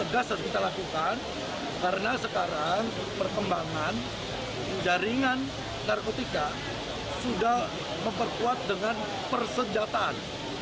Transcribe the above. jaringan narkoba yang kini telah memperkuat dengan persenjataan